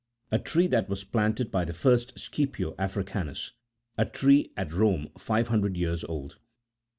A ^TREE THAT WAS PLANTED BY THE EIEST SCIPIO AFRICANTJS. A TREE AT ROME EIVE HUNDRED TEARS OLD.